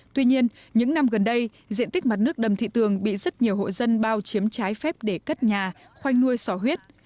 tuy nhiên những năm gần đây diện tích mặt nước đầm thị tường bị rất nhiều hộ dân bao chiếm trái phép để cất nhà khoanh nuôi sỏ huyết